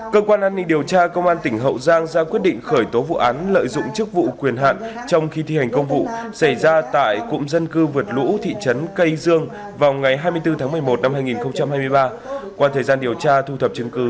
cơ quan an ninh điều tra công an tỉnh hậu giang ra quyết định khởi tố vụ án lợi dụng chức vụ quyền hạn trong khi thi hành công vụ xảy ra tại cụm dân cư vượt lũ thị trấn cây dương vào ngày hai mươi bốn tháng một mươi một năm hai nghìn hai mươi ba qua